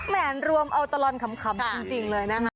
แหนรวมเอาตลอดขำจริงเลยนะคะ